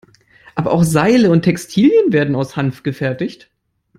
Aber auch Seile und Textilien werden aus Hanf gefertigt.